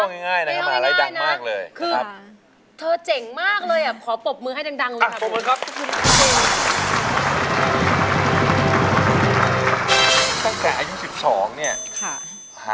อายุ๒๔ปีวันนี้บุ๋มนะคะ